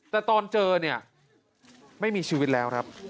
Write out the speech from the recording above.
แต่ตอนเจอเนี่ยไม่มีชีวิตแล้วครับ